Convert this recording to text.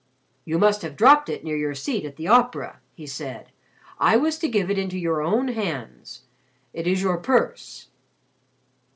"You must have dropped it near your seat at the Opera," he said. "I was to give it into your own hands. It is your purse."